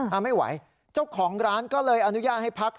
เอาไม่ไหวเจ้าของร้านก็เลยอนุญาตให้พัก